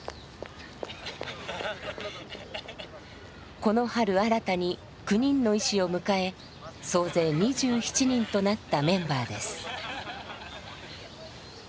この春新たに９人の医師を迎え総勢２７人となったメンバーです。